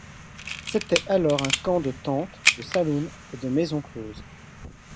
C'était alors un camp de tentes, de saloons et de maisons closes.